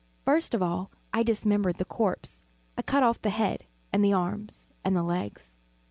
First of all I dismembered the corpse. I cut off the head and the arms and the legs.